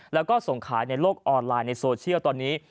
แล้วก็ส่งขายในโลกออนไลน์ในโซเชียลตอนนี้